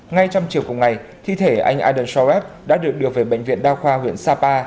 ngay trong chiều cùng ngày thi thể anh aiden shaw web đã được đưa về bệnh viện đao khoa huyện sapa